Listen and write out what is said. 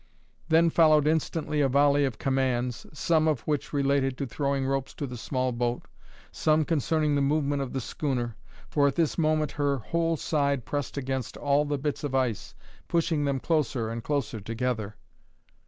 Then followed instantly a volley of commands, some of which related to throwing ropes to the small boat, some concerning the movement of the schooner, for at this moment her whole side pressed against all the bits of ice, pushing them closer and closer together.